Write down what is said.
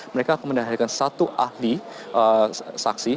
mereka akan menghadirkan satu ahli saksi